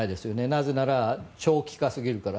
なぜなら長期間過ぎるから。